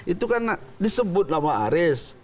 itu kan disebut nama aris